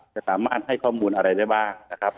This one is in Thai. จะสามารถให้ข้อมูลอะไรได้บ้างนะครับ